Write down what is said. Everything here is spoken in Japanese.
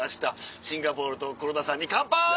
シンガポールと黒田さんに乾杯！